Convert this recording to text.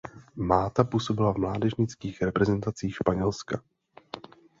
Mata působil v mládežnických reprezentacích Španělska.